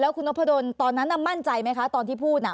คุณนพดลตอนนั้นมั่นใจไหมคะตอนที่พูดน่ะ